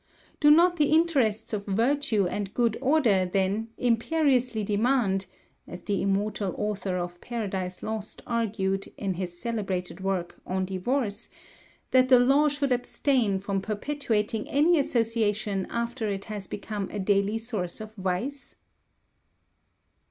Do not the interests of virtue and good order, then, imperiously demand (as the immortal author of 'Paradise Lost' argued, in his celebrated work 'On Divorce,') that the law should abstain from perpetuating any association, after it has become a daily source of vice?